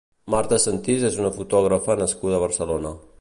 Marta Sentís és una fotògrafa nascuda a Barcelona.